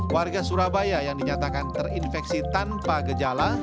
warga surabaya yang dinyatakan terinfeksi tanpa gejala